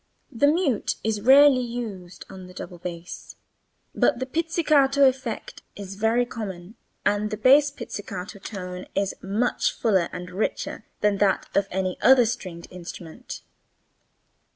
The mute is rarely used on the double bass, but the pizzicato effect is very common and the bass pizzicato tone is much fuller and richer than that of any other stringed instrument.